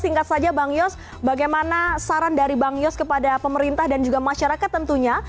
singkat saja bang yos bagaimana saran dari bang yos kepada pemerintah dan juga masyarakat tentunya